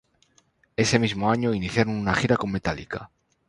Ese mismo año, iniciaron una gira con Metallica.